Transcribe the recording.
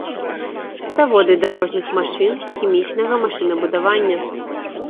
Заводы дарожных машын, хімічнага машынабудавання.